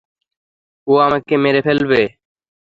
ও আমাকে মেরে ফেলবে।